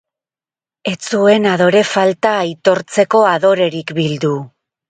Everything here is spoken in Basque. Ez zuen adore falta aitortzeko adorerik bildu.